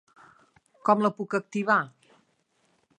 Com la puc activar?